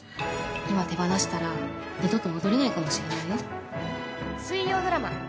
今手放したら二度と戻れないかもしれないよ。